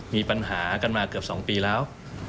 มีปัญหากันมาเกือบ๒ปีแล้ว